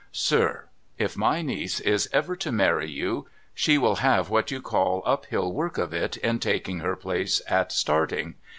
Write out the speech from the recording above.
Sir ! if my niece is ever to marry you, she will have what you call uphill work of it in taking her place at starting.